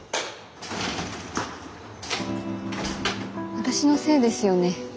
私のせいですよね